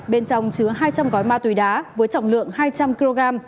bên trong chứa hai trăm linh gói ma túy đá với trọng lượng hai trăm linh kg